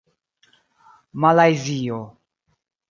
malajzio